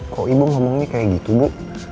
kok ibu ngomongnya kayak gitu bu